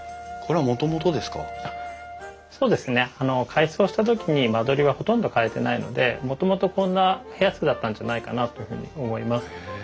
改装した時に間取りはほとんど変えてないのでもともとこんな部屋数だったんじゃないかなというふうに思います。